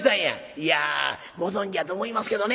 「いやご存じやと思いますけどね